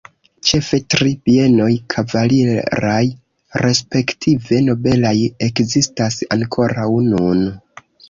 Ĉefe tri bienoj kavaliraj respektive nobelaj ekzistas ankoraŭ nun.